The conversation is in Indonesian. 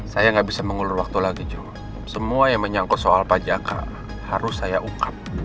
saya gak bisa mengulur waktu lagi jho semua yang menyangkut soal pajaka harus saya ukap